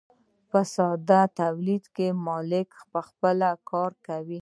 په ساده تولید کې مالک پخپله کار کوي.